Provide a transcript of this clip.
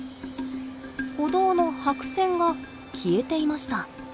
歩道の白線が消えていました。